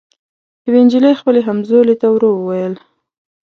یوې نجلۍ خپلي همزولي ته ورو ووېل